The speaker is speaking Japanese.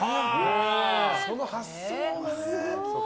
その発想がね。